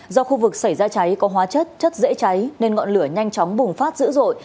do khu vực xảy ra cháy có hóa chất chất dễ cháy nên ngọn lửa nhanh chóng bùng phát dữ dội